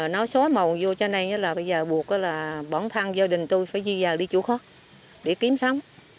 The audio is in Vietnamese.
nó xóa màu vô cho nên bây giờ buộc bản thân gia đình tôi phải di rời đi chủ khuất để kiếm sống